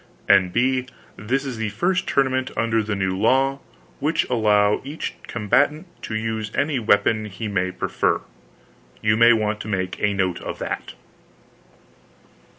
N.B. This is the first tournament under the new law, whidh allow each combatant to use any weapon he may pre fer. You may want to make a note of that.